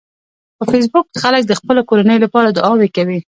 په فېسبوک کې خلک د خپلو کورنیو لپاره دعاوې کوي